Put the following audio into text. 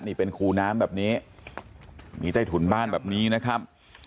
นี่เป็นคูน้ำแบบนี้มีใต้ถุนบ้านแบบนี้นะครับ